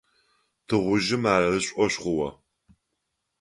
Тыгъужъым ар ышӀошъ хъугъэ.